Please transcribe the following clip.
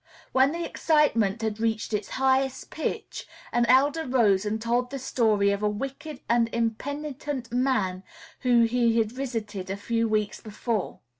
When the excitement had reached its highest pitch, an elder rose and told the story of a wicked and impenitent man whom he had visited a few weeks before.